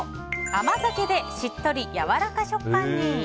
甘酒でしっとり柔らか食感に！